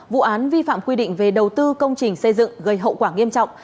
vụ án vi phạm quy định về đầu tư công trình xây dựng gây hậu quả nghiêm trọng